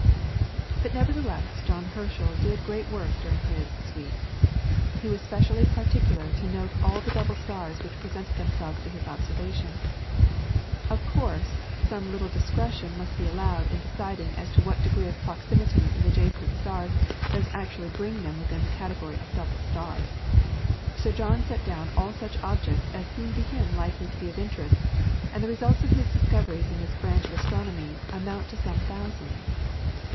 But nevertheless John Herschel did great work during his "sweeps." He was specially particular to note all the double stars which presented themselves to his observation. Of course some little discretion must be allowed in deciding as to what degree of proximity in adjacent stars does actually bring them within the category of "double stars." Sir John set down all such objects as seemed to him likely to be of interest, and the results of his discoveries in this branch of astronomy amount to some thousands.